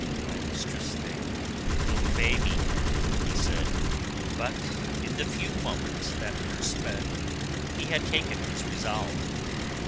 "Ay, mistress, they will obey me," he said. But in the few moments that were sped he had taken his resolve.